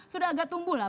sudah agak tumbuh lah